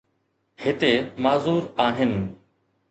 هتي معذور آهن.